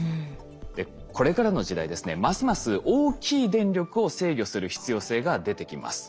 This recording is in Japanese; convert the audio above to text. でこれからの時代ですねますます大きい電力を制御する必要性が出てきます。